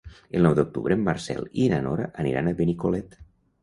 El nou d'octubre en Marcel i na Nora aniran a Benicolet.